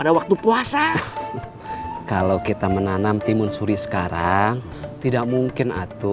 jawaban kalian betul semua